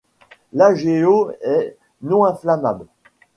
L'HgO est non inflammable.